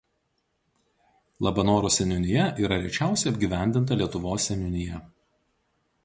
Labanoro seniūnija yra rečiausiai apgyvendinta Lietuvos seniūnija.